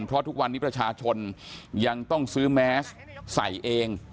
เพราะทุกวันนี้ประชาชนยังต้องซื้อแมสใส่เอง